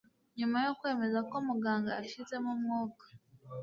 Nyuma yo kwemeza ko muganga yashizemo umwuka